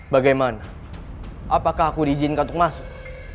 bagaimana apakah aku diizinkan untuk masuk